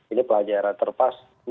ini pelajaran terpas